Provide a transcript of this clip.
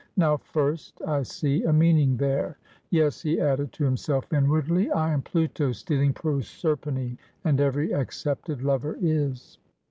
Now, first I see a meaning there." Yes, he added to himself inwardly, I am Pluto stealing Proserpine; and every accepted lover is.